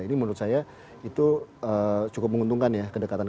ini menurut saya itu cukup menguntungkan ya kedekatan